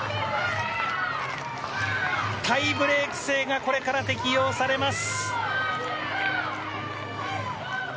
タイブレーク制がこれから適用されます。